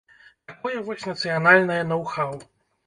Такое вось нацыянальнае ноў-хаў.